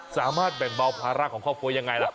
สามารถแบ่งเบาภาระของครอบครัวยังไงล่ะ